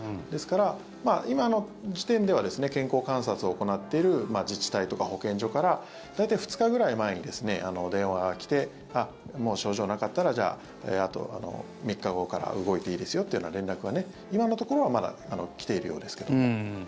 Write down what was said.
ですから、今の時点では健康観察を行っている自治体とか保健所から大体２日くらい前に電話が来てもう症状がなかったらあと３日後から動いていいですよというような連絡は今のところはまだ来ているようですけど。